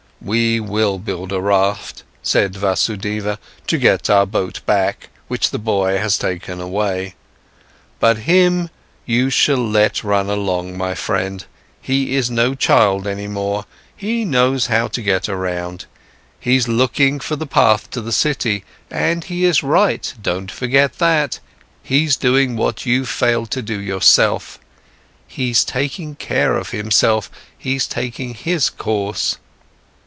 "We will build a raft," said Vasudeva, "to get our boat back, which the boy has taken away. But him, you shall let run along, my friend, he is no child any more, he knows how to get around. He's looking for the path to the city, and he is right, don't forget that. He's doing what you've failed to do yourself. He's taking care of himself, he's taking his course.